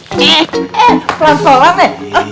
eh eh pelan pelan ya